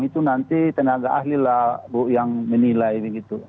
itu nanti tenaga ahli lah bu yang menilai begitu